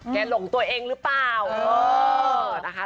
แกหลงตัวเองหรือเปล่า